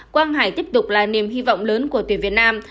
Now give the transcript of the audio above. quang hải tiếp tục là niềm hy vọng lớn của tuyển việt nam